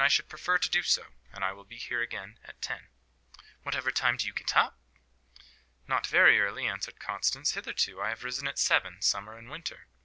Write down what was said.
I should prefer to do so. And I will be here again at ten." "Whatever time do you get up?" "Not very early," answered Constance. "Hitherto I have risen at seven, summer and winter.